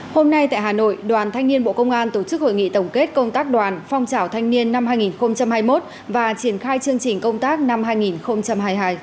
hôm nay tại hà nội đoàn thanh niên bộ công an tổ chức hội nghị tổng kết công tác đoàn phong trào thanh niên năm hai nghìn hai mươi một và triển khai chương trình công tác năm hai nghìn hai mươi hai